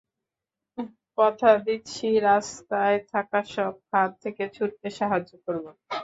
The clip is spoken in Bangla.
কথা দিচ্ছি, রাস্তায় থাকা সব ফাঁদ থেকে ছুটতে সাহায্য করব।